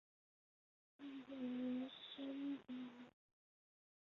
凯撒被描述为穿着伊丽莎白时代的紧身衣而不是罗马宽外袍。